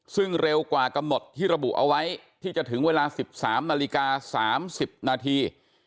ซึ่งเร็วกว่ากำหนดที่ระบุเอาไว้ที่จะถึงเวลา๑๓นาฬิกา๓๐นาที